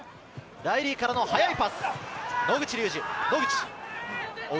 ライリーからの速いパス、野口竜司。